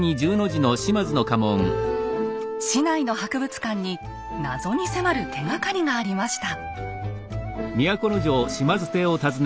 市内の博物館に謎に迫る手がかりがありました。